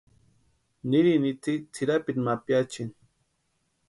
Nirini itsï tsʼirapiti ma piachini.